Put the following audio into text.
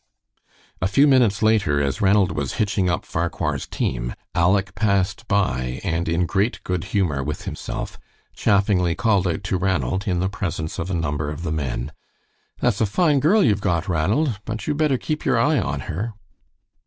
A few minutes later, as Ranald was hitching up Farquhar's team, Aleck passed by, and in great good humor with himself, chaffingly called out to Ranald in the presence of a number of the men, "That's a fine girl you've got, Ranald. But you better keep your eye on her."